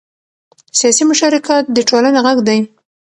سیاسي مشارکت د ټولنې غږ دی